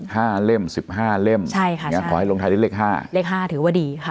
ห้าเล่มสิบห้าเล่มใช่ค่ะอย่างงี้ขอให้ลงท้ายได้เลขห้าเลขห้าถือว่าดีค่ะ